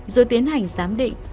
rồi tiến hành giám định